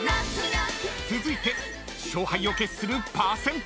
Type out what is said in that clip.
［続いて勝敗を決する］